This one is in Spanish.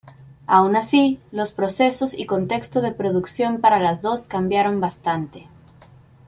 Aun así, los procesos y contexto de producción para las dos cambiaron bastante.